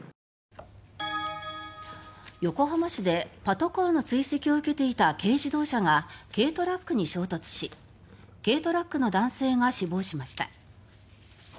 横浜市でパトカーの追跡を受けていた軽自動車が軽トラックに衝突し軽トラックの男性が死亡しました。